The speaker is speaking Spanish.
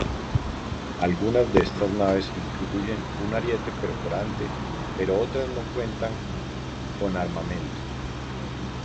Algunas de estas naves incluyen un ariete perforante pero otras no cuentan con armamento.